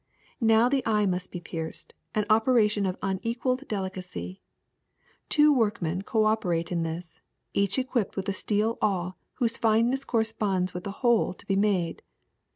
^'Now the eye must be pierced, an operation of unequalled delicacy. Two workmen cooperate in this, each equipped with a steel awl whose fineness corresponds with the hole to be made.